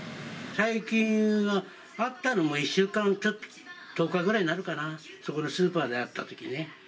最近会ったのは、１週間ちょっと、１０日ぐらいなるかな、そこのスーパーで会ったときね。